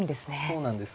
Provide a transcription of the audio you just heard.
そうなんです。